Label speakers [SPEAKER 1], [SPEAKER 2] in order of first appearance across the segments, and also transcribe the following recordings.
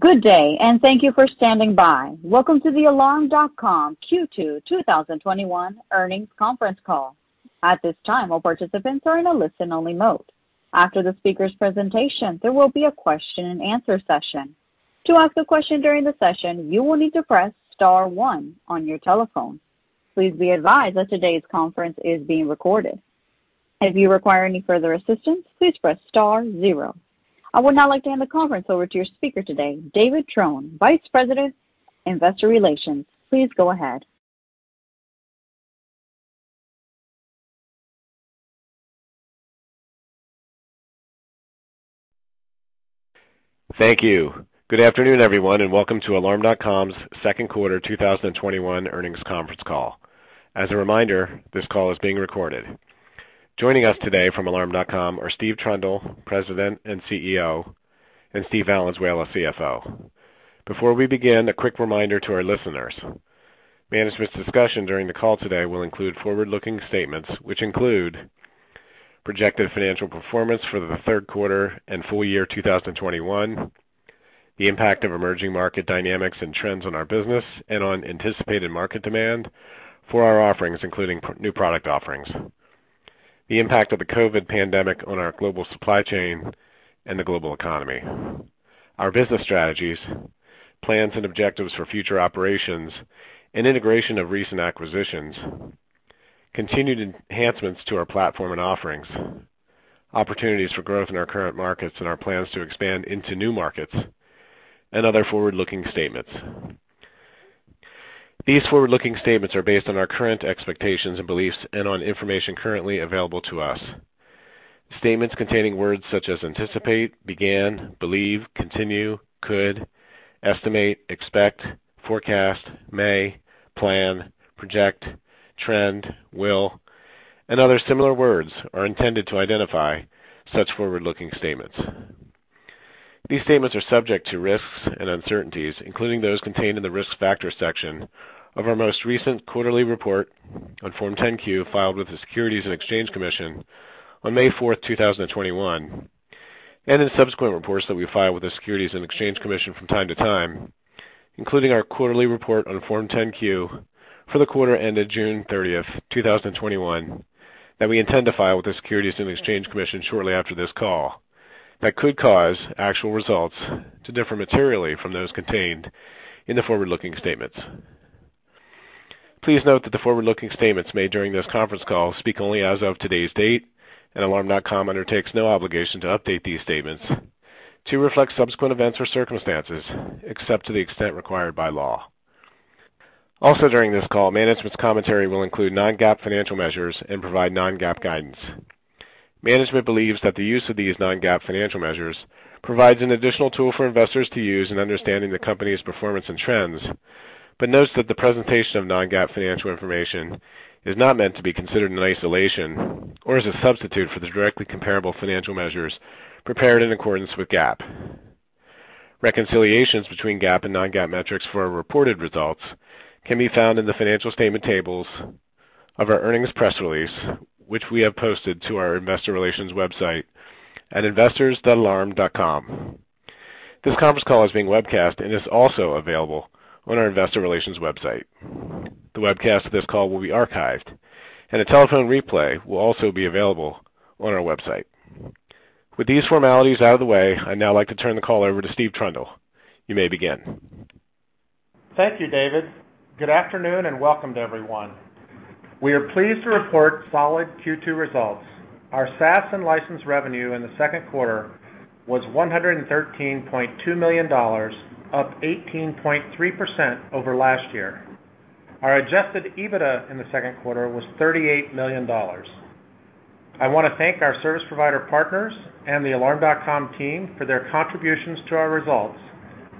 [SPEAKER 1] Good day, and thank you for standing by. Welcome to the Alarm.com Q2 2021 Earnings Conference Call. At this time all participants are in a listen-only mode. After the speaker's presentation, there will be a question and answer session. To ask a question during the session, you will need to press star one on your telephone. Please be advised that today's conference is being recorded. If you require any further assistance, please press star zero. I would now like to hand the conference over to your speaker today, David Trone, Vice President, Investor Relations. Please go ahead.
[SPEAKER 2] Thank you. Good afternoon, everyone, and welcome to Alarm.com's second quarter 2021 earnings conference call. As a reminder, this call is being recorded. Joining us today from Alarm.com are Steve Trundle, President and CEO, and Steve Valenzuela, CFO. Before we begin, a quick reminder to our listeners. Management's discussion during the call today will include forward-looking statements, which include projected financial performance for the third quarter and full year 2021, the impact of emerging market dynamics and trends on our business and on anticipated market demand for our offerings, including new product offerings, the impact of the COVID pandemic on our global supply chain and the global economy, our business strategies, plans, and objectives for future operations and integration of recent acquisitions, continued enhancements to our platform and offerings, opportunities for growth in our current markets and our plans to expand into new markets, and other forward-looking statements. These forward-looking statements are based on our current expectations and beliefs and on information currently available to us. Statements containing words such as anticipate, began, believe, continue, could, estimate, expect, forecast, may, plan, project, trend, will, and other similar words are intended to identify such forward-looking statements. These statements are subject to risks and uncertainties, including those contained in the risk factor section of our most recent quarterly report on Form 10-Q filed with the Securities and Exchange Commission on May 4th, 2021, and in subsequent reports that we file with the Securities and Exchange Commission from time to time, including our quarterly report on Form 10-Q for the quarter ended June 30th, 2021, that we intend to file with the Securities and Exchange Commission shortly after this call, that could cause actual results to differ materially from those contained in the forward-looking statements. Please note that the forward-looking statements made during this conference call speak only as of today's date, and Alarm.com undertakes no obligation to update these statements to reflect subsequent events or circumstances, except to the extent required by law. Also during this call, management's commentary will include non-GAAP financial measures and provide non-GAAP guidance. Management believes that the use of these non-GAAP financial measures provides an additional tool for investors to use in understanding the company's performance and trends, but notes that the presentation of non-GAAP financial information is not meant to be considered in isolation or as a substitute for the directly comparable financial measures prepared in accordance with GAAP. Reconciliations between GAAP and non-GAAP metrics for our reported results can be found in the financial statement tables of our earnings press release, which we have posted to our investor relations website at investors.alarm.com. This conference call is being webcast and is also available on our investor relations website. The webcast of this call will be archived, and a telephone replay will also be available on our website. With these formalities out of the way, I'd now like to turn the call over to Steve Trundle. You may begin.
[SPEAKER 3] Thank you, David. Good afternoon, and welcome to everyone. We are pleased to report solid Q2 results. Our SaaS and license revenue in the second quarter was $113.2 million, up 18.3% over last year. Our adjusted EBITDA in the second quarter was $38 million. I want to thank our service provider partners and the Alarm.com team for their contributions to our results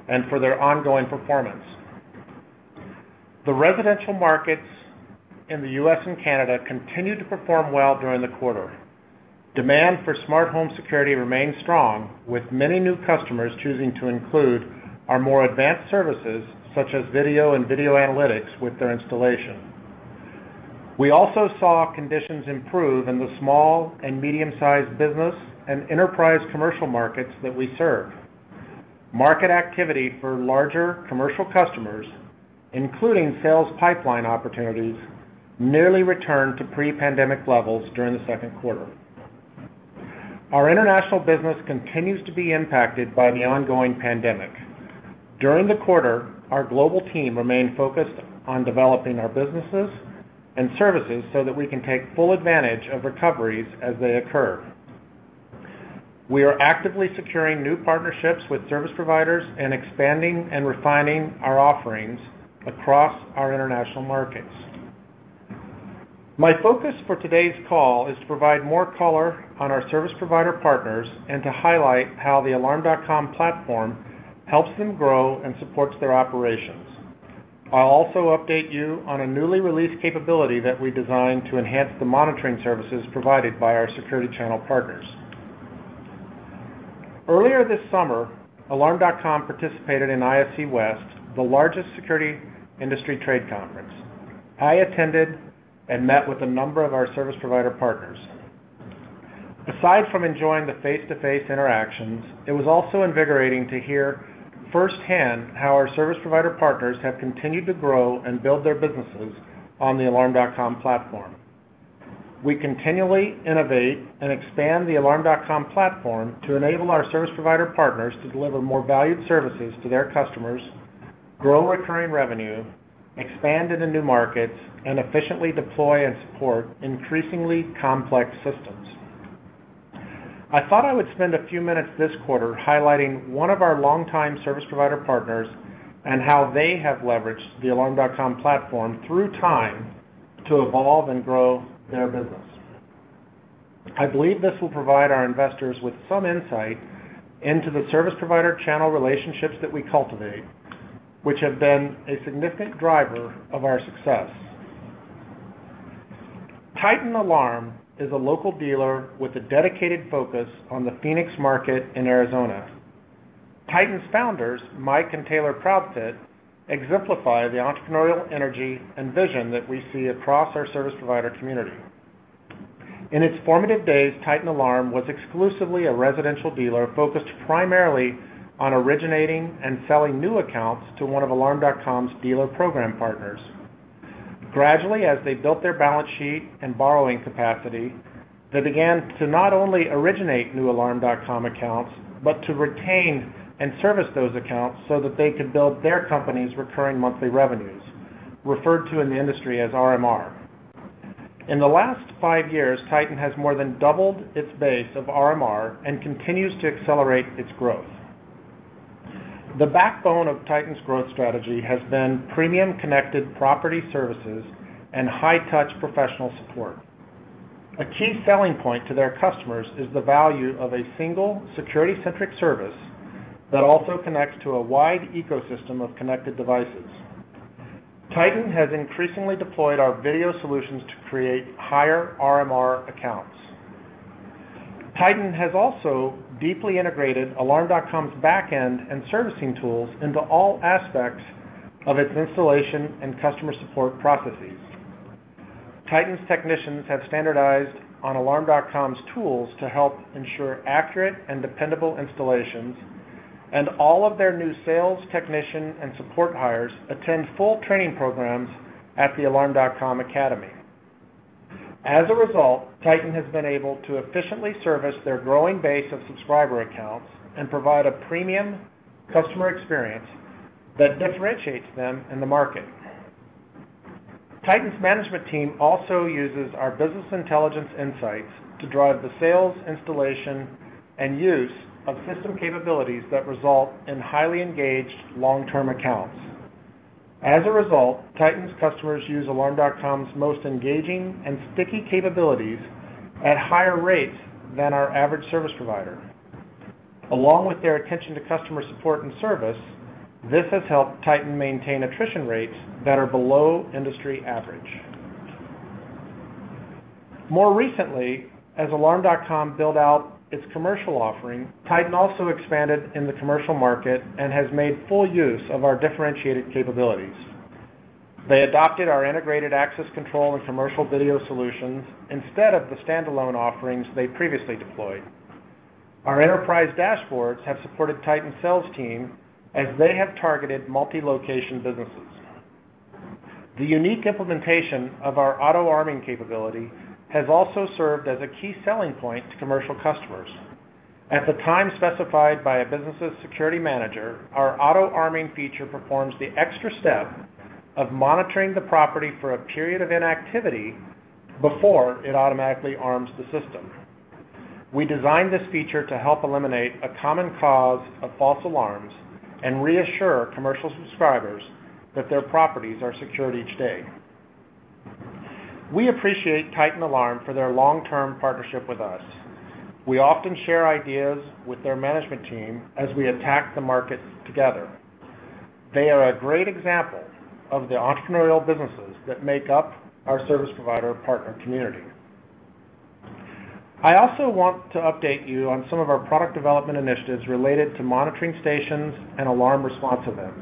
[SPEAKER 3] and for their ongoing performance. The residential markets in the U.S. and Canada continued to perform well during the quarter. Demand for smart home security remained strong, with many new customers choosing to include our more advanced services, such as video and video analytics, with their installation. We also saw conditions improve in the small and medium-sized business and enterprise commercial markets that we serve. Market activity for larger commercial customers, including sales pipeline opportunities, nearly returned to pre-pandemic levels during the second quarter. Our international business continues to be impacted by the ongoing pandemic. During the quarter, our global team remained focused on developing our businesses and services so that we can take full advantage of recoveries as they occur. We are actively securing new partnerships with service providers and expanding and refining our offerings across our international markets. My focus for today's call is to provide more color on our service provider partners and to highlight how the Alarm.com platform helps them grow and supports their operations. I'll also update you on a newly released capability that we designed to enhance the monitoring services provided by our security channel partners. Earlier this summer, Alarm.com participated in ISC West, the largest security industry trade conference. I attended and met with a number of our service provider partners. Aside from enjoying the face-to-face interactions, it was also invigorating to hear firsthand how our service provider partners have continued to grow and build their businesses on the Alarm.com platform. We continually innovate and expand the Alarm.com platform to enable our service provider partners to deliver more valued services to their customers, grow recurring revenue, expand into new markets, and efficiently deploy and support increasingly complex systems. I thought I would spend a few minutes this quarter highlighting one of our longtime service provider partners and how they have leveraged the Alarm.com platform through time to evolve and grow their business. I believe this will provide our investors with some insight into the service provider channel relationships that we cultivate, which have been a significant driver of our success. Titan Alarm is a local dealer with a dedicated focus on the Phoenix market in Arizona. Titan's founders, Mike and Taylor Proudfit, exemplify the entrepreneurial energy and vision that we see across our service provider community. In its formative days, Titan Alarm was exclusively a residential dealer focused primarily on originating and selling new accounts to one of Alarm.com's dealer program partners. Gradually, as they built their balance sheet and borrowing capacity, they began to not only originate new Alarm.com accounts, but to retain and service those accounts so that they could build their company's recurring monthly revenues, referred to in the industry as RMR. In the last five years, Titan has more than doubled its base of RMR and continues to accelerate its growth. The backbone of Titan's growth strategy has been premium connected property services and high-touch professional support. A key selling point to their customers is the value of a single security-centric service that also connects to a wide ecosystem of connected devices. Titan has increasingly deployed our video solutions to create higher RMR accounts. Titan has also deeply integrated Alarm.com's back end and servicing tools into all aspects of its installation and customer support processes. Titan's technicians have standardized on Alarm.com's tools to help ensure accurate and dependable installations, and all of their new sales technicians and support hires attend full training programs at the Alarm.com Academy. As a result, Titan has been able to efficiently service their growing base of subscriber accounts and provide a premium customer experience that differentiates them in the market. Titan's management team also uses our business intelligence insights to drive the sales, installation, and use of system capabilities that result in highly engaged long-term accounts. As a result, Titan's customers use Alarm.com's most engaging and sticky capabilities at higher rates than our average service provider. Along with their attention to customer support and service, this has helped Titan maintain attrition rates that are below industry average. More recently, as Alarm.com built out its commercial offering, Titan also expanded in the commercial market and has made full use of our differentiated capabilities. They adopted our integrated access control and commercial video solutions instead of the standalone offerings they previously deployed. Our enterprise dashboards have supported Titan's sales team as they have targeted multi-location businesses. The unique implementation of our auto-arming capability has also served as a key selling point to commercial customers. At the time specified by a business' security manager, our auto-arming feature performs the extra step of monitoring the property for a period of inactivity before it automatically arms the system. We designed this feature to help eliminate a common cause of false alarms and reassure commercial subscribers that their properties are secured each day. We appreciate Titan Alarm for their long-term partnership with us. We often share ideas with their management team as we attack the market together. They are a great example of the entrepreneurial businesses that make up our service provider partner community. I also want to update you on some of our product development initiatives related to monitoring stations and alarm response events.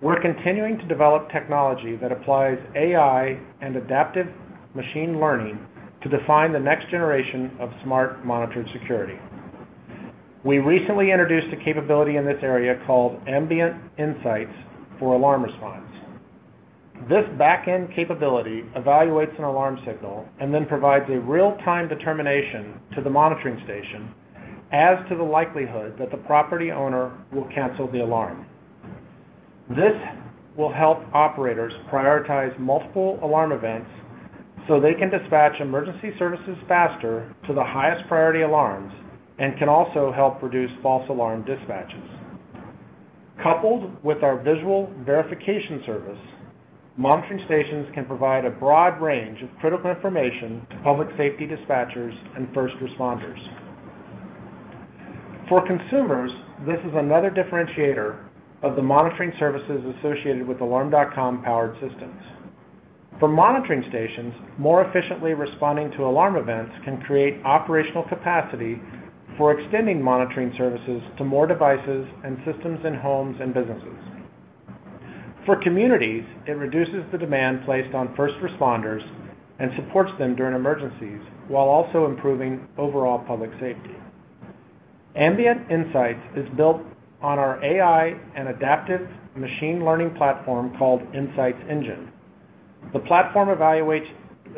[SPEAKER 3] We're continuing to develop technology that applies AI and adaptive machine learning to define the next generation of smart monitored security. We recently introduced a capability in this area called Ambient Insights for Alarm Response. This back-end capability evaluates an alarm signal and then provides a real-time determination to the monitoring station as to the likelihood that the property owner will cancel the alarm. This will help operators prioritize multiple alarm events, so they can dispatch emergency services faster to the highest priority alarms and can also help reduce false alarm dispatches. Coupled with our visual verification service, monitoring stations can provide a broad range of critical information to public safety dispatchers and first responders. For consumers, this is another differentiator of the monitoring services associated with Alarm.com-powered systems. For monitoring stations, more efficiently responding to alarm events can create operational capacity for extending monitoring services to more devices and systems in homes and businesses. For communities, it reduces the demand placed on first responders and supports them during emergencies, while also improving overall public safety. Ambient Insights is built on our AI and adaptive machine learning platform called Insights Engine. The platform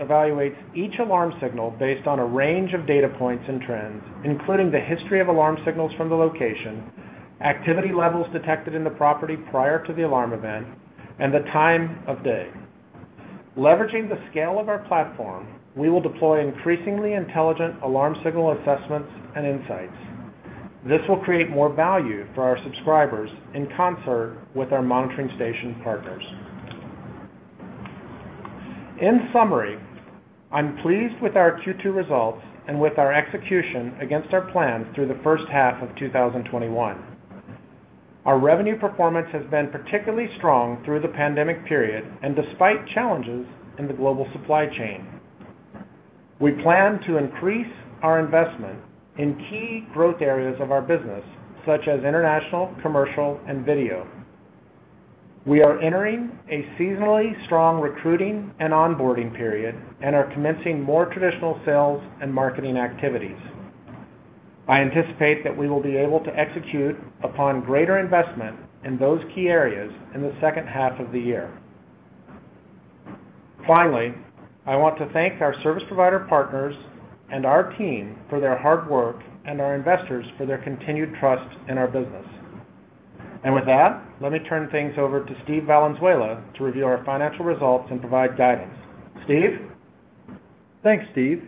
[SPEAKER 3] evaluates each alarm signal based on a range of data points and trends, including the history of alarm signals from the location, activity levels detected in the property prior to the alarm event, and the time of day. Leveraging the scale of our platform, we will deploy increasingly intelligent alarm signal assessments and insights. This will create more value for our subscribers in concert with our monitoring station partners. In summary, I am pleased with our Q2 results and with our execution against our plans through the first half of 2021. Our revenue performance has been particularly strong through the pandemic period and despite challenges in the global supply chain. We plan to increase our investment in key growth areas of our business, such as international, commercial, and video. We are entering a seasonally strong recruiting and onboarding period and are commencing more traditional sales and marketing activities. I anticipate that we will be able to execute upon greater investment in those key areas in the second half of the year. Finally, I want to thank our service provider partners and our team for their hard work and our investors for their continued trust in our business. With that, let me turn things over to Steve Valenzuela to review our financial results and provide guidance. Steve?
[SPEAKER 4] Thanks, Steve.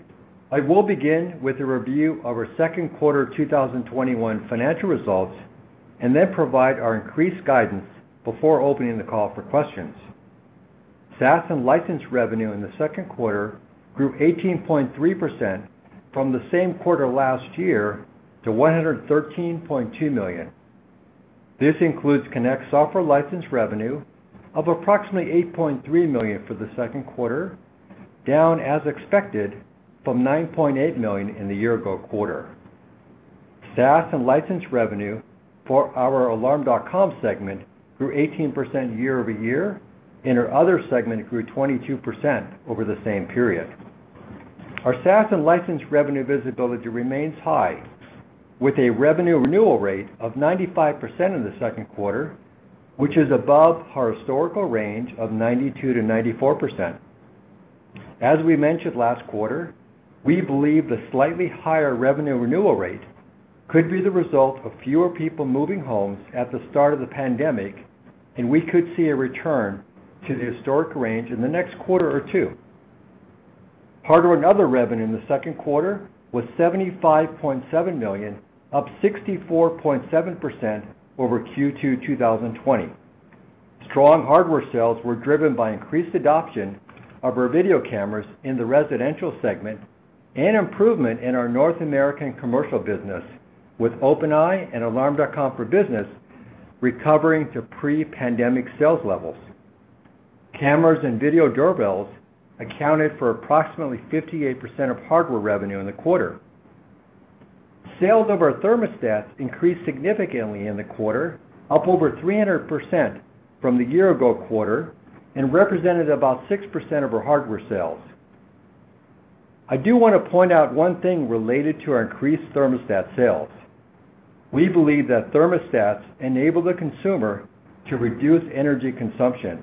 [SPEAKER 4] I will begin with a review of our second quarter 2021 financial results and then provide our increased guidance before opening the call for questions. SaaS and license revenue in the second quarter grew 18.3% from the same quarter last year to $113.2 million. This includes Connect software license revenue of approximately $8.3 million for the second quarter, down as expected from $9.8 million in the year-ago quarter. SaaS and license revenue for our Alarm.com segment grew 18% year-over-year, and our other segment grew 22% over the same period. Our SaaS and license revenue visibility remains high, with a revenue renewal rate of 95% in the second quarter, which is above our historical range of 92%-94%. As we mentioned last quarter, we believe the slightly higher revenue renewal rate could be the result of fewer people moving homes at the start of the pandemic, and we could see a return to the historic range in the next quarter or two. Hardware and other revenue in the second quarter was $75.7 million, up 64.7% over Q2 2020. Strong hardware sales were driven by increased adoption of our video cameras in the residential segment and improvement in our North American commercial business with OpenEye and Alarm.com for Business recovering to pre-pandemic sales levels. Cameras and video doorbells accounted for approximately 58% of hardware revenue in the quarter. Sales of our thermostats increased significantly in the quarter, up over 300% from the year-ago quarter and represented about 6% of our hardware sales. I do want to point out one thing related to our increased thermostat sales. We believe that thermostats enable the consumer to reduce energy consumption,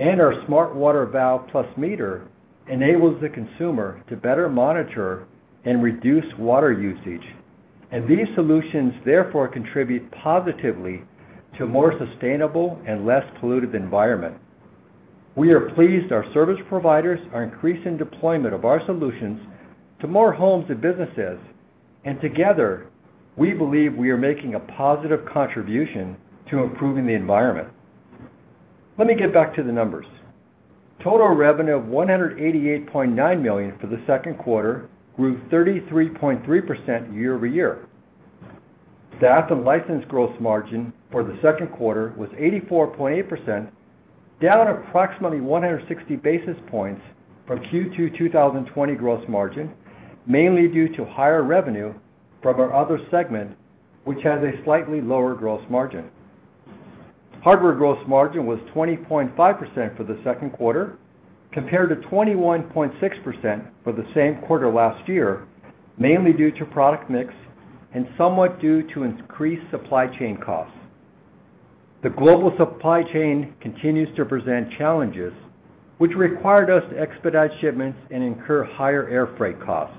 [SPEAKER 4] and our smart water valve plus meter enables the consumer to better monitor and reduce water usage. These solutions, therefore, contribute positively to a more sustainable and less polluted environment. We are pleased our service providers are increasing deployment of our solutions to more homes and businesses, and together, we believe we are making a positive contribution to improving the environment. Let me get back to the numbers. Total revenue of $188.9 million for the second quarter grew 33.3% year-over-year. SaaS and license gross margin for the second quarter was 84.8%, down approximately 160 basis points from Q2 2020 gross margin, mainly due to higher revenue from our other segment, which has a slightly lower gross margin. Hardware gross margin was 20.5% for the second quarter, compared to 21.6% for the same quarter last year, mainly due to product mix and somewhat due to increased supply chain costs. The global supply chain continues to present challenges, which required us to expedite shipments and incur higher air freight costs.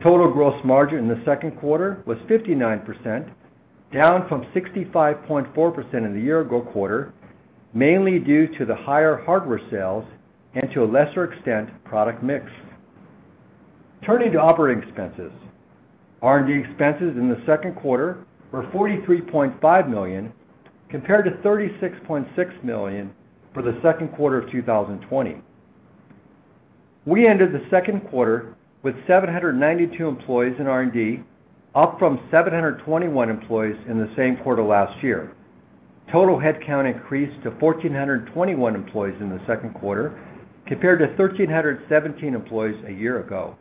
[SPEAKER 4] Total gross margin in the second quarter was 59%, down from 65.4% in the year-ago quarter, mainly due to the higher hardware sales and to a lesser extent, product mix. Turning to operating expenses. R&D expenses in the second quarter were $43.5 million, compared to $36.6 million for the second quarter of 2020. We ended the second quarter with 792 employees in R&D, up from 721 employees in the same quarter last year. Total headcount increased to 1,421 employees in the second quarter, compared to 1,317 employees a year ago.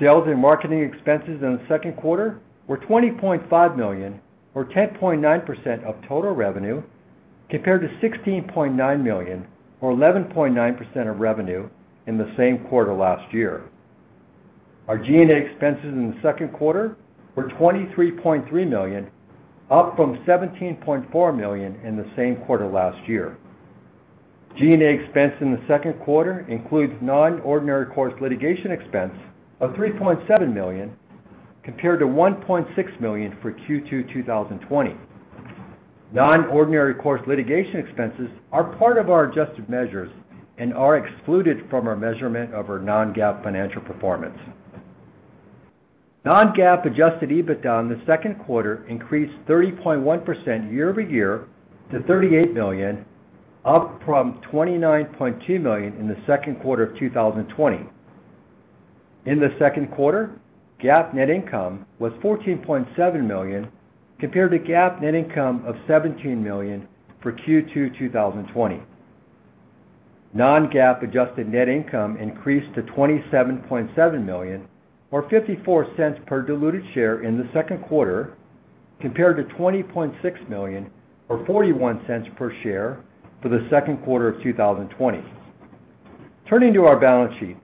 [SPEAKER 4] Sales and marketing expenses in the second quarter were $20.5 million or 10.9% of total revenue, compared to $16.9 million or 11.9% of revenue in the same quarter last year. Our G&A expenses in the second quarter were $23.3 million, up from $17.4 million in the same quarter last year. G&A expense in the second quarter includes non-ordinary course litigation expense of $3.7 million, compared to $1.6 million for Q2 2020. Non-ordinary course litigation expenses are part of our adjusted measures and are excluded from our measurement of our non-GAAP financial performance. Non-GAAP adjusted EBITDA in the second quarter increased 30.1% year-over-year to $38 million, up from $29.2 million in the second quarter of 2020. In the second quarter, GAAP net income was $14.7 million, compared to GAAP net income of $17 million for Q2 2020. Non-GAAP adjusted net income increased to $27.7 million, or $0.54 per diluted share in the second quarter, compared to $20.6 million or $0.41 per share for the second quarter of 2020. Turning to our balance sheet,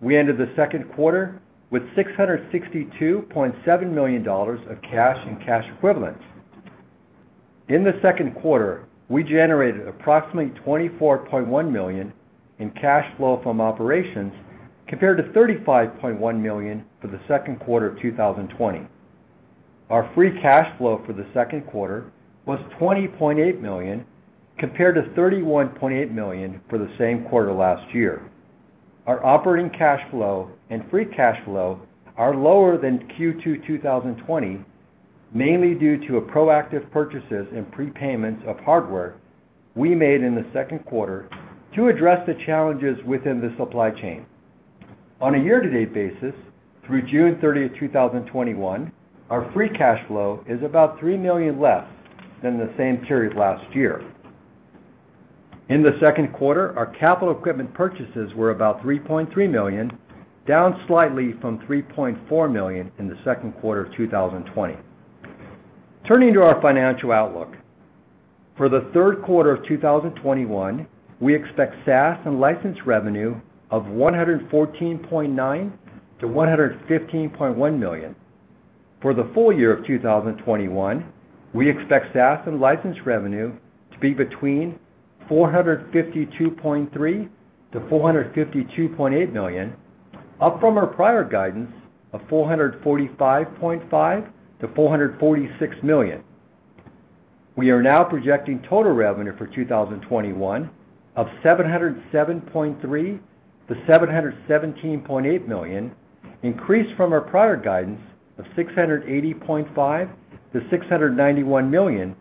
[SPEAKER 4] we ended the second quarter with $662.7 million of cash and cash equivalents. In the second quarter, we generated approximately $24.1 million in cash flow from operations, compared to $35.9 million for the second quarter of 2020. Our free cash flow for the second quarter was $20.8 million, compared to $31.8 million for the same quarter last year. Our operating cash flow and free cash flow are lower than Q2 2020, mainly due to proactive purchases and prepayments of hardware we made in the second quarter to address the challenges within the supply chain. On a year-to-date basis, through June 30th, 2021, our free cash flow is about $3 million less than the same period last year. In the second quarter, our capital equipment purchases were about $3.3 million, down slightly from $3.4 million in the second quarter of 2020. Turning to our financial outlook. For the third quarter of 2021, we expect SaaS and license revenue of $114.9 million-$115.1 million. For the full year of 2021, we expect SaaS and license revenue to be between $452.3 million-$452.8 million, up from our prior guidance of $445.5 million-$446 million. We are now projecting total revenue for 2021 of $707.3 million-$717.8 million, increased from our prior guidance of $680.5 million-$691 million,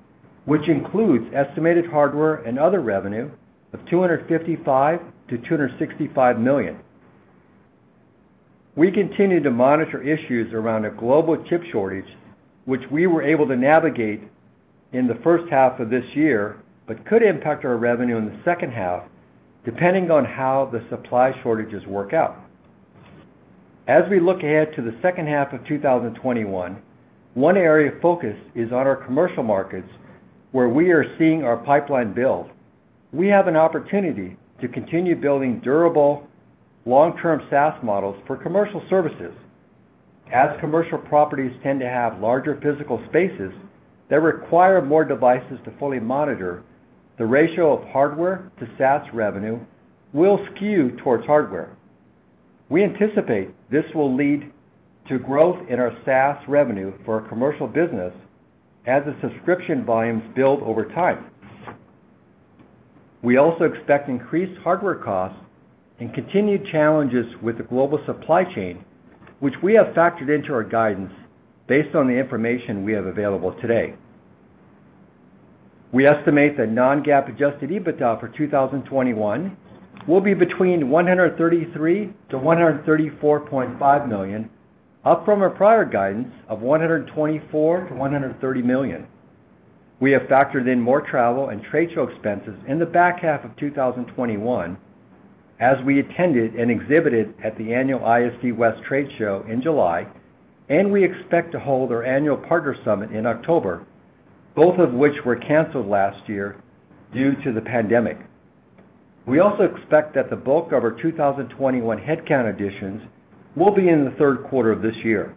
[SPEAKER 4] which includes estimated hardware and other revenue of $255 million-$265 million. We continue to monitor issues around a global chip shortage, which we were able to navigate in the first half of this year, but could impact our revenue in the second half, depending on how the supply shortages work out. As we look ahead to the second half of 2021, one area of focus is on our commercial markets where we are seeing our pipeline build. We have an opportunity to continue building durable long-term SaaS models for commercial services. As commercial properties tend to have larger physical spaces that require more devices to fully monitor, the ratio of hardware to SaaS revenue will skew towards hardware. We anticipate this will lead to growth in our SaaS revenue for our commercial business as the subscription volumes build over time. We also expect increased hardware costs and continued challenges with the global supply chain, which we have factored into our guidance based on the information we have available today. We estimate that non-GAAP adjusted EBITDA for 2021 will be between $133 million-$134.5 million, up from our prior guidance of $124 million-$130 million. We have factored in more travel and trade show expenses in the back half of 2021, as we attended and exhibited at the annual ISC West trade show in July, and we expect to hold our annual partner summit in October, both of which were canceled last year due to the pandemic. We also expect that the bulk of our 2021 headcount additions will be in the third quarter of this year.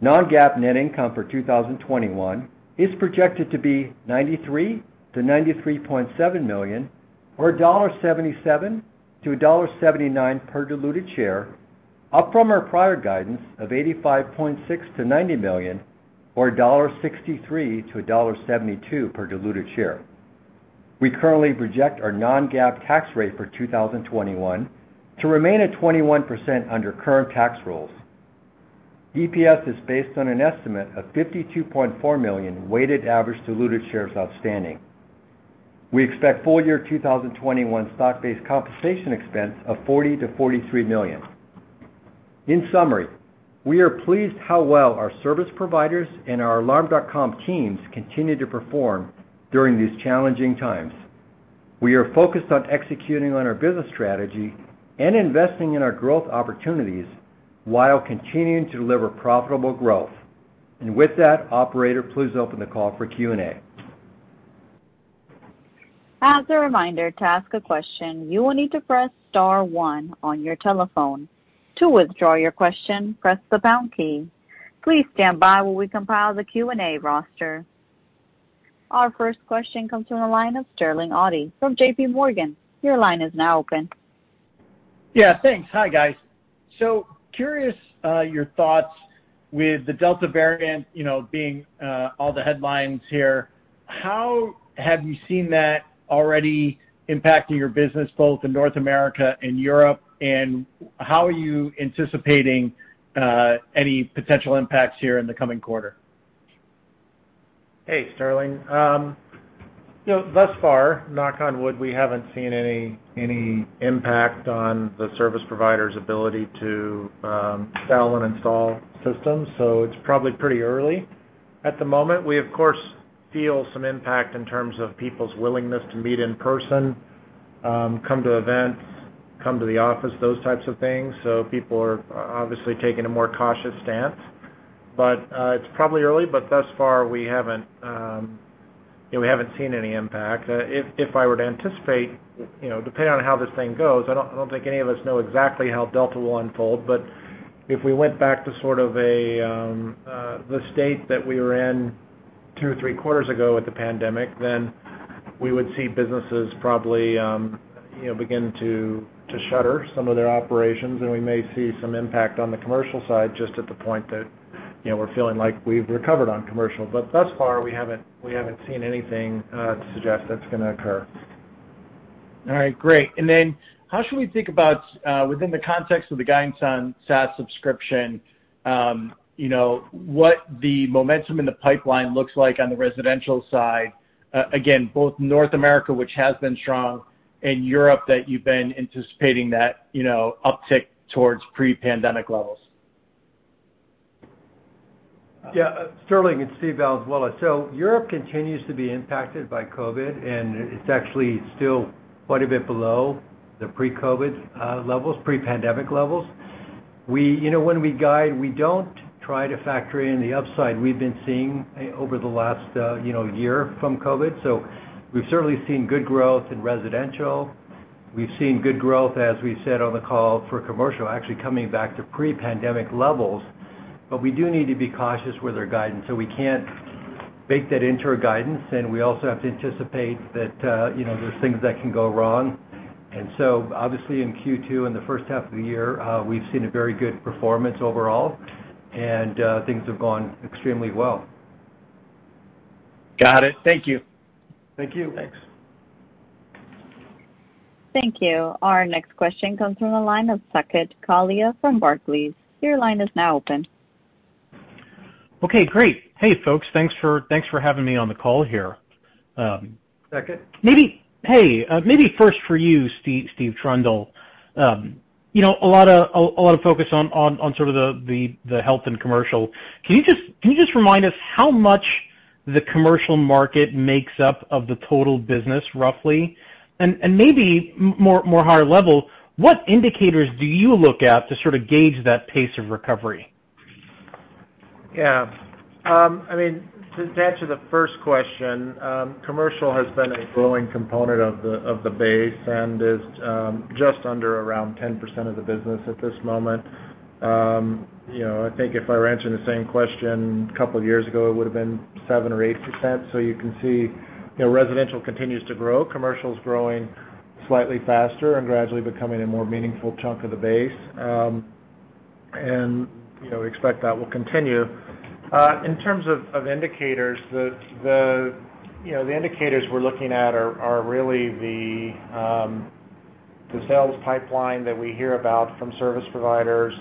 [SPEAKER 4] Non-GAAP net income for 2021 is projected to be $93 million-$93.7 million, or $1.77-$1.79 per diluted share, up from our prior guidance of $85.6 million-$90 million, or $1.63-$1.72 per diluted share. We currently project our non-GAAP tax rate for 2021 to remain at 21% under current tax rules. EPS is based on an estimate of 52.4 million weighted average diluted shares outstanding. We expect full year 2021 stock-based compensation expense of $40 million-$43 million. In summary, we are pleased how well our service providers and our Alarm.com teams continue to perform during these challenging times. We are focused on executing on our business strategy and investing in our growth opportunities while continuing to deliver profitable growth. With that, operator, please open the call for Q&A.
[SPEAKER 1] As a reminder, to ask a question, you will need to press star one on your telephone. To withdraw your question, press the pound key. Our first question comes from the line of Sterling Auty from JPMorgan.
[SPEAKER 5] Yeah. Thanks. Hi, guys. Curious, your thoughts with the Delta variant being all the headlines here, how have you seen that already impacting your business both in North America and Europe, and how are you anticipating any potential impacts here in the coming quarter?
[SPEAKER 3] Hey, Sterling. Thus far, knock on wood, we haven't seen any impact on the service provider's ability to sell and install systems, so it's probably pretty early. At the moment, we of course feel some impact in terms of people's willingness to meet in person, come to events, come to the office, those types of things. People are obviously taking a more cautious stance. It's probably early, but thus far we haven't seen any impact. If I were to anticipate, depending on how this thing goes, I don't think any of us know exactly how Delta will unfold, but if we went back to sort of the state that we were in two or three quarters ago with the pandemic, then we would see businesses probably begin to shutter some of their operations, and we may see some impact on the commercial side, just at the point that we're feeling like we've recovered on commercial. Thus far, we haven't seen anything to suggest that's going to occur.
[SPEAKER 5] All right, great. How should we think about, within the context of the guidance on SaaS subscription, what the momentum in the pipeline looks like on the residential side, again, both North America, which has been strong, and Europe that you've been anticipating that uptick towards pre-pandemic levels?
[SPEAKER 4] Yeah. Sterling, it's Steve Valenzuela. Europe continues to be impacted by COVID, and it's actually still quite a bit below the pre-COVID levels, pre-pandemic levels. When we guide, we don't try to factor in the upside we've been seeing over the last year from COVID. We've certainly seen good growth in residential. We've seen good growth, as we said on the call, for commercial, actually coming back to pre-pandemic levels. We do need to be cautious with our guidance, so we can't bake that into our guidance, and we also have to anticipate that there's things that can go wrong. Obviously in Q2, in the first half of the year, we've seen a very good performance overall, and things have gone extremely well.
[SPEAKER 5] Got it. Thank you.
[SPEAKER 4] Thank you.
[SPEAKER 3] Thanks.
[SPEAKER 1] Thank you. Our next question comes from the line of Saket Kalia from Barclays. Your line is now open.
[SPEAKER 6] Okay, great. Hey, folks. Thanks for having me on the call here.
[SPEAKER 3] Saket.
[SPEAKER 6] Hey. Maybe first for you, Steve Trundle. A lot of focus on sort of the health and commercial. Can you just remind us how much the commercial market makes up of the total business, roughly? Maybe more higher level, what indicators do you look at to sort of gauge that pace of recovery?
[SPEAKER 3] To answer the first question, commercial has been a growing component of the base and is just under around 10% of the business at this moment. I think if I were answering the same question a couple of years ago, it would've been 7% or 8%. You can see residential continues to grow. Commercial's growing slightly faster and gradually becoming a more meaningful chunk of the base. We expect that will continue. In terms of indicators, the indicators we're looking at are really the sales pipeline that we hear about from service providers.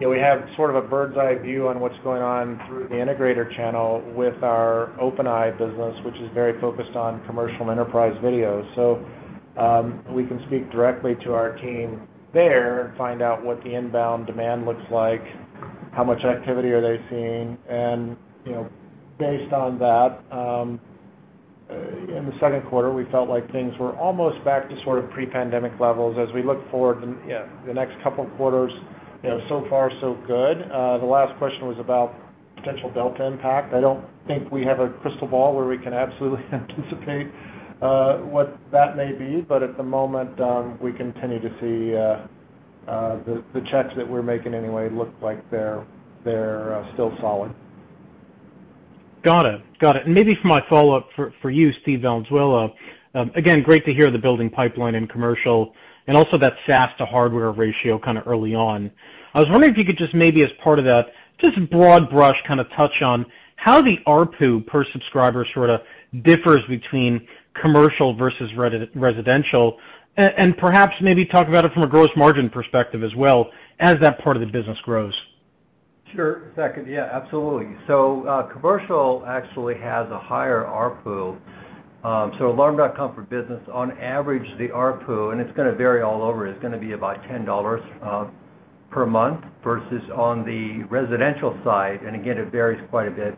[SPEAKER 3] We have sort of a bird's eye view on what's going on through the integrator channel with our OpenEye business, which is very focused on commercial and enterprise video. We can speak directly to our team there and find out what the inbound demand looks like, how much activity are they seeing, and based on that, in the second quarter, we felt like things were almost back to sort of pre-pandemic levels. As we look forward in the next couple of quarters, so far so good. The last question was about potential Delta impact. I don't think we have a crystal ball where we can absolutely anticipate what that may be, but at the moment, we continue to see the checks that we're making anyway look like they're still solid.
[SPEAKER 6] Got it. Maybe for my follow-up for you, Steve Valenzuela. Again, great to hear the building pipeline in commercial and also that SaaS to hardware ratio kind of early on. I was wondering if you could just maybe as part of that, just broad brush kind of touch on how the ARPU per subscriber sort of differs between commercial versus residential, and perhaps maybe talk about it from a gross margin perspective as well as that part of the business grows.
[SPEAKER 4] Sure. Saket, yeah, absolutely. Commercial actually has a higher ARPU. Alarm.com for Business, on average, the ARPU, and it's going to vary all over, is going to be about $10 per month versus on the residential side, and again, it varies quite a bit,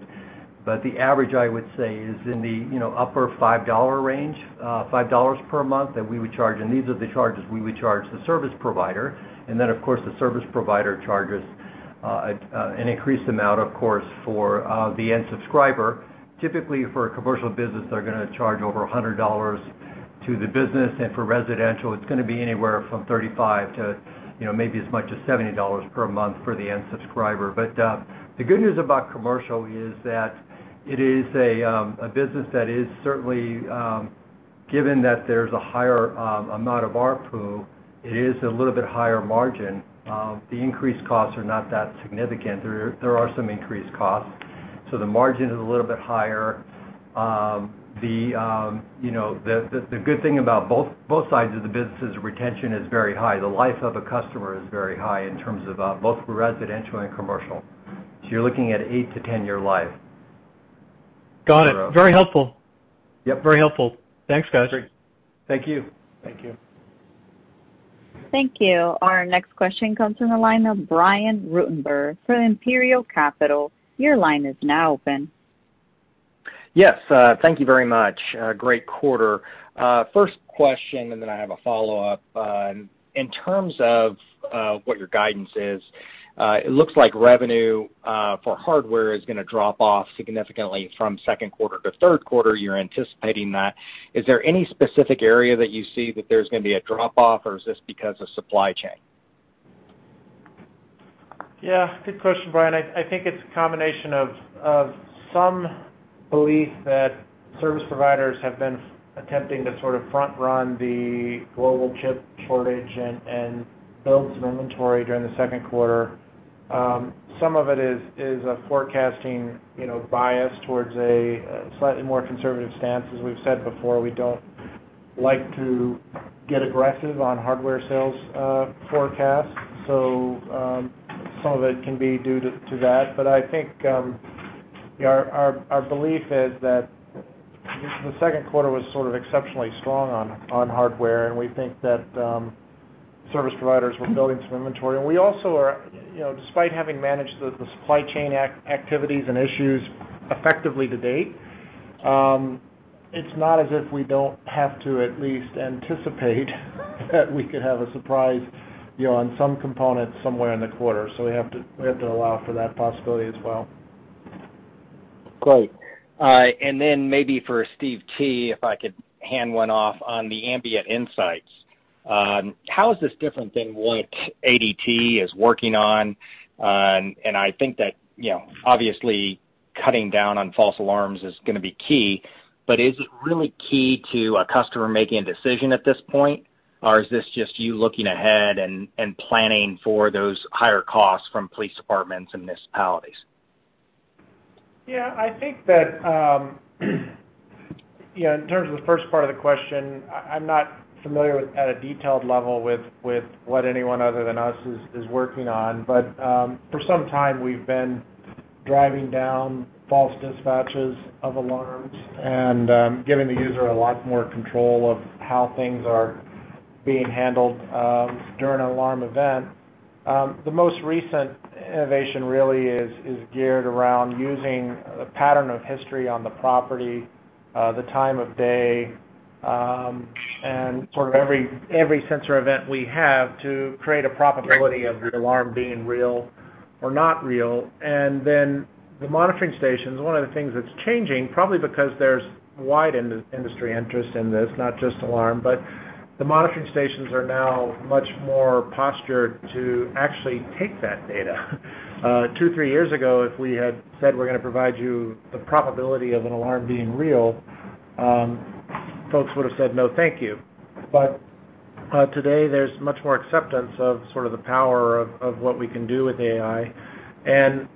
[SPEAKER 4] but the average, I would say is in the upper $5 range, $5 per month that we would charge, and these are the charges we would charge the service provider. Then, of course, the service provider charges an increased amount, of course, for the end subscriber. Typically, for a commercial business, they're going to charge over $100 to the business. For residential, it's going to be anywhere from $35-$70 per month for the end subscriber. The good news about commercial is that it is a business that is certainly, given that there's a higher amount of ARPU, it is a little bit higher margin. The increased costs are not that significant. There are some increased costs. The margin is a little bit higher. The good thing about both sides of the business is retention is very high. The life of a customer is very high in terms of both residential and commercial. You're looking at eight to 10-year life.
[SPEAKER 6] Got it. Very helpful. Yep. Very helpful. Thanks, guys.
[SPEAKER 3] Great. Thank you.
[SPEAKER 1] Thank you. Our next question comes from the line of Brian Ruttenbur from Imperial Capital. Your line is now open.
[SPEAKER 7] Yes, thank you very much. Great quarter. First question, and then I have a follow-up. In terms of what your guidance is, it looks like revenue for hardware and is going to drop off significantly from second quarter to third quarter. You're anticipating that. Is there any specific area that you see that there's going to be a drop-off, or is this because of supply chain?
[SPEAKER 4] Yeah, good question, Brian. I think it's a combination of some belief that service providers have been attempting to sort of front-run the global chip shortage and build some inventory during the second quarter. Some of it is a forecasting bias towards a slightly more conservative stance. As we've said before, we don't like to get aggressive on hardware sales forecasts, so some of it can be due to that. I think our belief is that the second quarter was sort of exceptionally strong on hardware, and we think that service providers were building some inventory. We also are, despite having managed the supply chain activities and issues effectively to date, it's not as if we don't have to at least anticipate that we could have a surprise on some components somewhere in the quarter. We have to allow for that possibility as well.
[SPEAKER 7] Great. Then maybe for Steve T, if I could hand one off on the Ambient Insights. How is this different than what ADT is working on? I think that, obviously, cutting down on false alarms is going to be key, but is it really key to a customer making a decision at this point? Or is this just you looking ahead and planning for those higher costs from police departments and municipalities?
[SPEAKER 3] Yeah, I think that in terms of the first part of the question, I'm not familiar at a detailed level with what anyone other than us is working on. For some time, we've been driving down false dispatches of alarms and giving the user a lot more control of how things are being handled during an alarm event. The most recent innovation really is geared around using a pattern of history on the property, the time of day, and sort of every sensor event we have to create a probability of the alarm being real or not real. The monitoring stations, one of the things that's changing, probably because there's wide industry interest in this, not just Alarm, but the monitoring stations are now much more postured to actually take that data. Two, three years ago, if we had said we're going to provide you the probability of an alarm being real, folks would have said, "No, thank you." Today, there's much more acceptance of sort of the power of what we can do with AI. From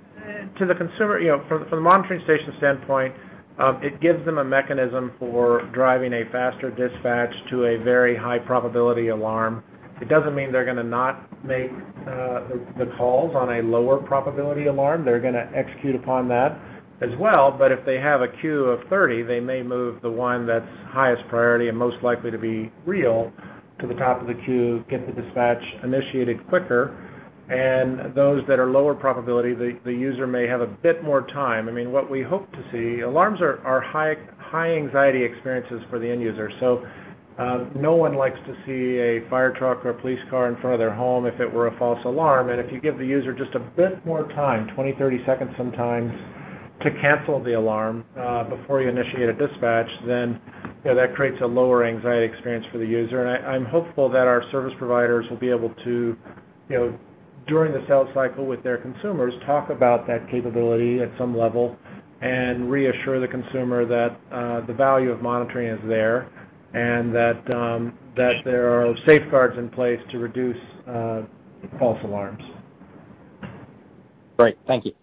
[SPEAKER 3] the monitoring station standpoint, it gives them a mechanism for driving a faster dispatch to a very high probability alarm. It doesn't mean they're going to not make the calls on a lower probability alarm. They're going to execute upon that as well. If they have a queue of 30, they may move the one that's highest priority and most likely to be real to the top of the queue, get the dispatch initiated quicker, and those that are lower probability, the user may have a bit more time. Alarms are high anxiety experiences for the end user. No one likes to see a fire truck or a police car in front of their home if it were a false alarm. If you give the user just a bit more time, 20, 30 seconds sometimes, to cancel the alarm before you initiate a dispatch, then that creates a lower anxiety experience for the user. I'm hopeful that our service providers will be able to, during the sales cycle with their consumers, talk about that capability at some level and reassure the consumer that the value of monitoring is there and that there are safeguards in place to reduce false alarms.
[SPEAKER 7] Great. Thank you.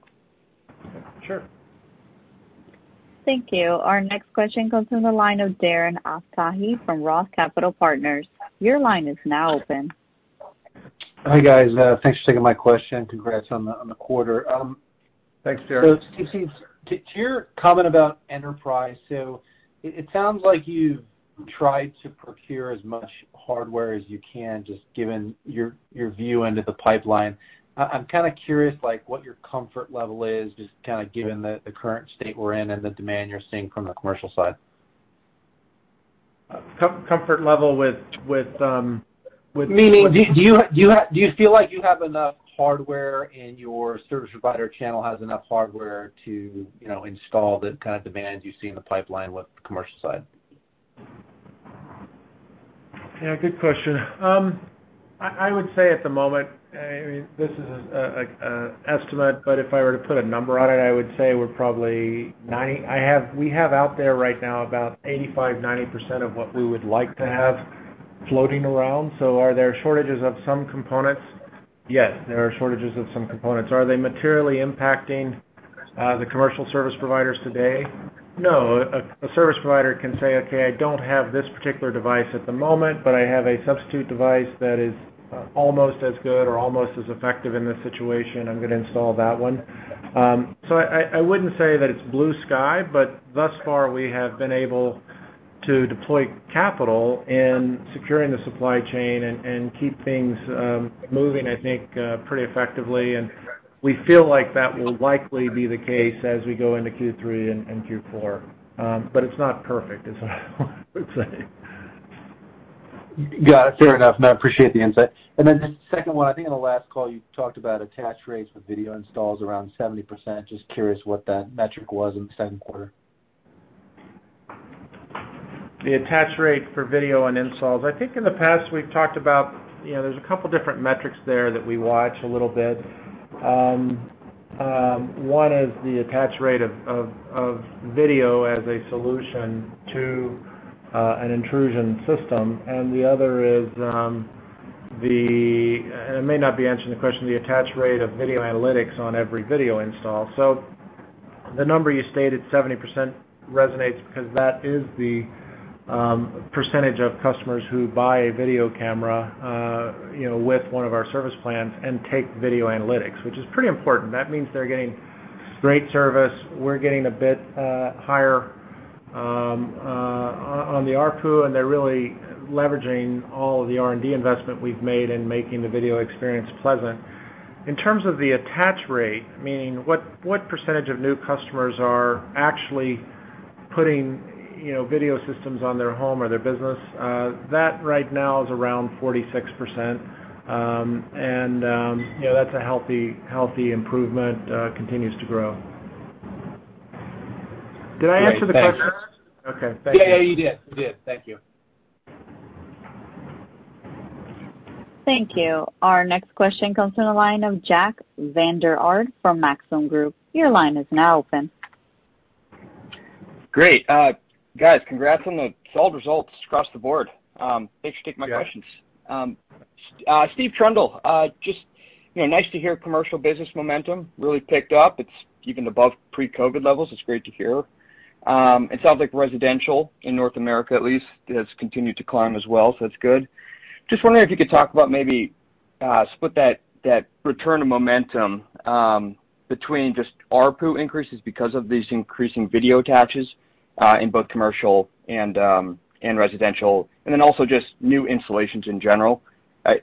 [SPEAKER 4] Sure.
[SPEAKER 1] Thank you. Our next question comes from the line of Darren Aftahi from ROTH Capital Partners. Your line is now open.
[SPEAKER 8] Hi, guys. Thanks for taking my question. Congrats on the quarter.
[SPEAKER 3] Thanks, Darren.
[SPEAKER 8] Steve, to your comment about enterprise, it sounds like you've tried to procure as much hardware as you can, just given your view into the pipeline. I'm curious what your comfort level is, just given the current state we're in and the demand you're seeing from the commercial side?
[SPEAKER 3] Comfort level with-
[SPEAKER 8] Do you feel like you have enough hardware and your service provider channel has enough hardware to install the kind of demand you see in the pipeline with the commercial side?
[SPEAKER 3] Yeah, good question. I would say at the moment, this is an estimate, but if I were to put a number on it, I would say we have out there right now about 85%, 90% of what we would like to have floating around. Are there shortages of some components? Yes, there are shortages of some components. Are they materially impacting the commercial service providers today? No. A service provider can say, "Okay, I don't have this particular device at the moment, but I have a substitute device that is almost as good or almost as effective in this situation. I'm going to install that one." I wouldn't say that it's blue sky, but thus far we have been able to deploy capital in securing the supply chain and keep things moving, I think, pretty effectively. We feel like that will likely be the case as we go into Q3 and Q4. It's not perfect is what I would say.
[SPEAKER 8] Got it. Fair enough. No, I appreciate the insight. The second one, I think on the last call you talked about attach rates with video installs around 70%. Just curious what that metric was in the second quarter.
[SPEAKER 3] The attach rate for video and installs. I think in the past we've talked about, there's a couple of different metrics there that we watch a little bit. One is the attach rate of video as a solution to an intrusion system. The other is, and it may not be answering the question, the attach rate of video analytics on every video install. The number you stated, 70%, resonates because that is the percentage of customers who buy a video camera with one of our service plans and take video analytics, which is pretty important. That means they're getting great service. We're getting a bit higher on the ARPU, and they're really leveraging all of the R&D investment we've made in making the video experience pleasant. In terms of the attach rate, meaning what percentage of new customers are actually putting video systems on their home or their business? That right now is around 46%. That's a healthy improvement, continues to grow. Did I answer the question?
[SPEAKER 8] Great. Thanks.
[SPEAKER 3] Okay. Thank you.
[SPEAKER 8] Yeah. You did. Thank you.
[SPEAKER 1] Thank you. Our next question comes from the line of Jack Vander Aarde from Maxim Group. Your line is now open.
[SPEAKER 9] Great. Guys, congrats on the solid results across the board. Thanks for taking my questions.
[SPEAKER 3] Yeah.
[SPEAKER 9] Just nice to hear commercial business momentum really picked up. It's even above pre-COVID levels. It's great to hear. It sounds like residential, in North America at least, has continued to climb as well, so that's good. Just wondering if you could talk about maybe split that return to momentum between just ARPU increases because of these increasing video attaches in both commercial and residential, and then also just new installations in general.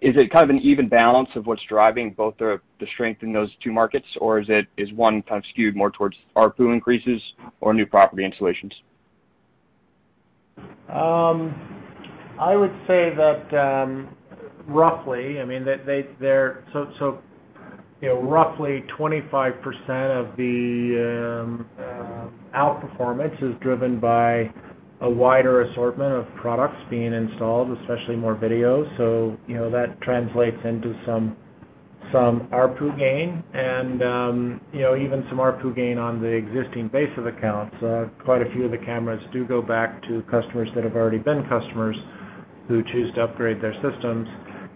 [SPEAKER 9] Is it an even balance of what's driving both the strength in those two markets, or is one skewed more towards ARPU increases or new property installations?
[SPEAKER 3] I would say that roughly 25% of the outperformance is driven by a wider assortment of products being installed, especially more videos. That translates into some ARPU gain and even some ARPU gain on the existing base of accounts. Quite a few of the cameras do go back to customers that have already been customers who choose to upgrade their systems.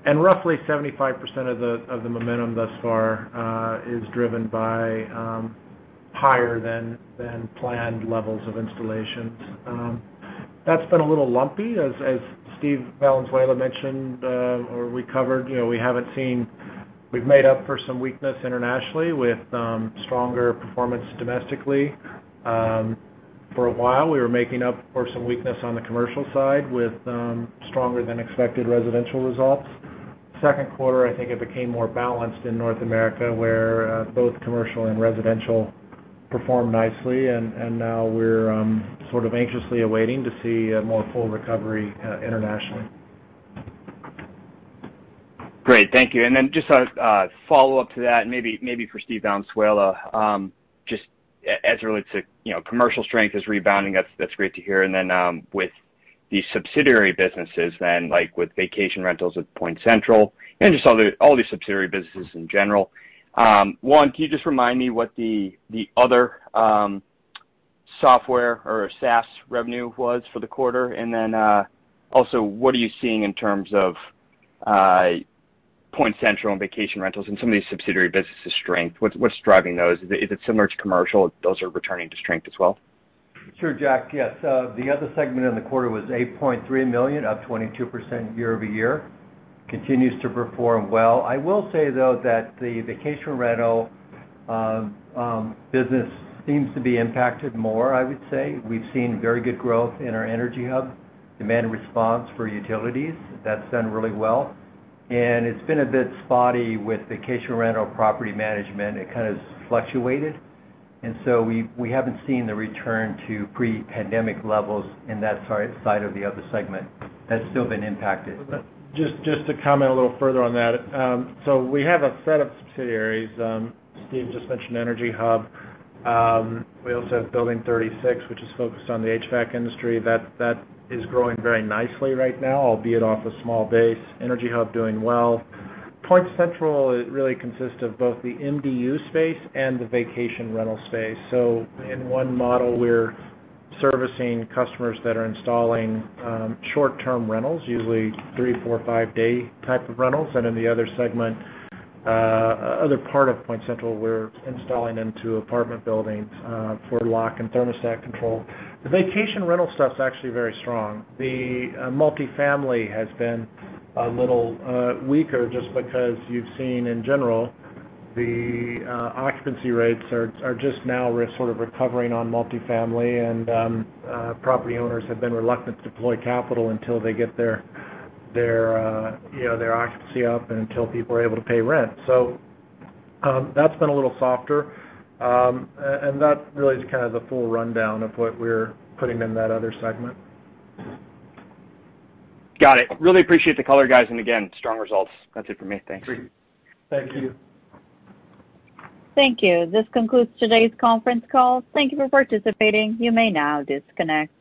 [SPEAKER 3] Roughly 75% of the momentum thus far is driven by higher than planned levels of installations. That's been a little lumpy, as Steve Valenzuela mentioned or we covered. We've made up for some weakness internationally with stronger performance domestically. For a while, we were making up for some weakness on the commercial side with stronger than expected residential results. Second quarter, I think it became more balanced in North America, where both commercial and residential performed nicely. Now we're sort of anxiously awaiting to see a more full recovery internationally.
[SPEAKER 9] Great, thank you. Just a follow-up to that and maybe for Steve Valenzuela. Just as it relates to commercial strength is rebounding, that's great to hear. With the subsidiary businesses, with vacation rentals with PointCentral and just all the subsidiary businesses in general, one, can you just remind me what the other software or SaaS revenue was for the quarter? Also, what are you seeing in terms of PointCentral and vacation rentals and some of these subsidiary businesses' strength? What's driving those? Is it similar to commercial? Those are returning to strength as well?
[SPEAKER 4] Sure, Jack. Yes. The other segment in the quarter was $8.3 million, up 22% year-over-year. Continues to perform well. I will say, though, that the vacation rental business seems to be impacted more, I would say. We've seen very good growth in our EnergyHub, demand response for utilities. That's done really well. It's been a bit spotty with vacation rental property management. It kind of fluctuated, we haven't seen the return to pre-pandemic levels in that side of the other segment. That's still been impacted.
[SPEAKER 3] Just to comment a little further on that. We have a set of subsidiaries. Steve just mentioned EnergyHub. We also have Building36, which is focused on the HVAC industry. That is growing very nicely right now, albeit off a small base. EnergyHub doing well. PointCentral really consists of both the MDU space and the vacation rental space. In one model, we're servicing customers that are installing short-term rentals, usually three, four, five-day type of rentals. In the other segment, other part of PointCentral, we're installing into apartment buildings for lock and thermostat control. The vacation rental stuff's actually very strong. The multifamily has been a little weaker just because you've seen in general the occupancy rates are just now sort of recovering on multifamily and property owners have been reluctant to deploy capital until they get their occupancy up and until people are able to pay rent. That's been a little softer. That really is kind of the full rundown of what we're putting in that other segment.
[SPEAKER 9] Got it. Really appreciate the color, guys. Again, strong results. That's it for me. Thanks.
[SPEAKER 4] Great.
[SPEAKER 3] Thank you.
[SPEAKER 1] Thank you. This concludes today's conference call. Thank you for participating. You may now disconnect.